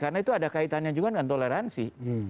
karena itu ada kaitannya juga dengan toleransi